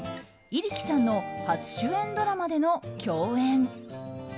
入来さんの初主演ドラマでの共演。